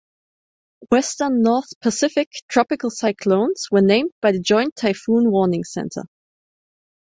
Western North Pacific tropical cyclones were named by the Joint Typhoon Warning Center.